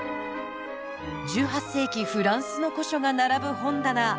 １８世紀フランスの古書が並ぶ本棚。